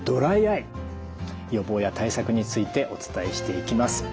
予防や対策についてお伝えしていきます。